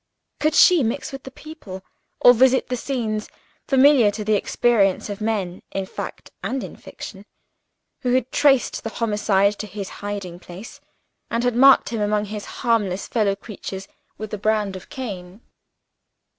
Could she mix with the people, or visit the scenes, familiar to the experience of men (in fact and in fiction), who had traced the homicide to his hiding place, and had marked him among his harmless fellow creatures with the brand of Cain?